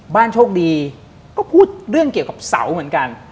โชคดีก็พูดเรื่องเกี่ยวกับเสาเหมือนกัน